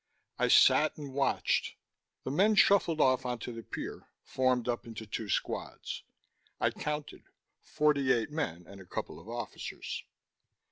I sat and watched. The men shuffled off onto the pier, formed up into two squads. I counted; forty eight men, and a couple of officers.